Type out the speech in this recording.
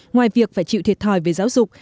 ngoài việc phải chịu thiệt thòi về giáo dục